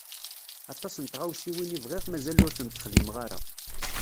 Aṭas n tɣawsiwin i bɣiɣ mazal ur tent-xdimeɣ ara.